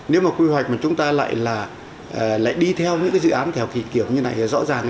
nếu mà quy hoạch mà chúng ta lại là lại đi theo những cái dự án theo kỳ kiểu như này thì rõ ràng